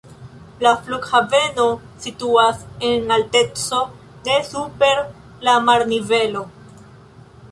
La flughaveno situas en alteco de super la marnivelo.